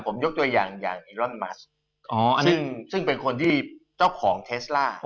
ผมยกตัวอย่างอย่างอิรอนมัสซึ่งเป็นคนที่เจ้าของเทสล่า